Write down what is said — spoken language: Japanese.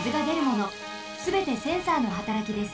すべてセンサーのはたらきです。